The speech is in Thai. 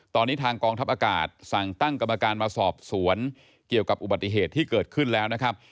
ตอนนี้ทางกองทัพอากาศสั่งตั้งกรรมการมาสอบสวนเกี่ยวกับอุบัติเหตุที่เกิดขึ้นแล้วนะครับ